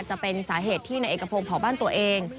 จะเป็นสาเหตุที่นายเอกพงศ์เผาบ้านตัวเอง